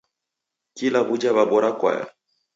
Kila w'uja wabora kwaya.